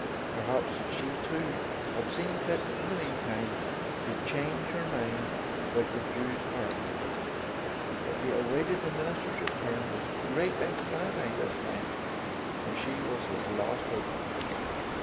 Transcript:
Perhaps she, too, had seen fit, in the meantime, to change her mind about the Jewsharp. But he awaited the minister's return with great anxiety this time, for she was his last hope.